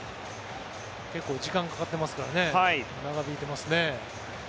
結構時間かかってますから長引いてますね。